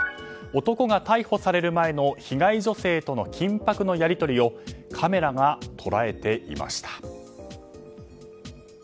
男が逮捕される前の被害女性との緊迫のやり取りをカメラが捉えていました。